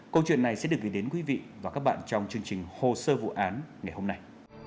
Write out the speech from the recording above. câu chuyện này sẽ được gửi đến quý vị và các bạn trong chương trình hồ sơ vụ án ngày hôm nay